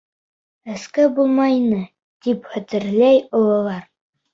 Эске булмай ине, тип хәтерләй ололар.